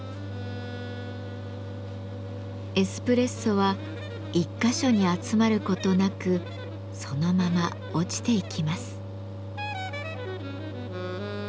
エスプレッソは１か所に集まることなくそのまま落ちていきます。